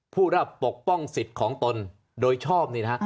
ผู้รับปกป้องสิทธิ์ของตนโดยชอบ